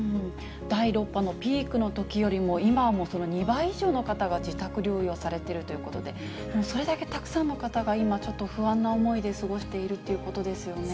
第６波のピークのときよりも、今もう２倍の人たちが自宅療養されているということで、それだけたくさんの方が今、ちょっと不安な思いで過ごしているということですよね。